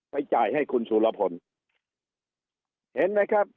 จ่ายให้คุณสุรพลเห็นไหมครับ